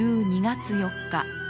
２月４日。